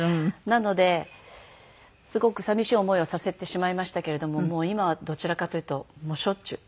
なのですごく寂しい思いをさせてしまいましたけれども今はどちらかというとしょっちゅう。